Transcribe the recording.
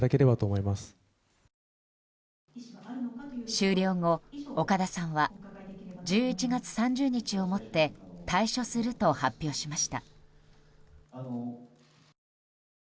終了後、岡田さんは１１月３０日をもって退所すると発表しました。